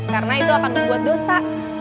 karena itu akan membuat dosa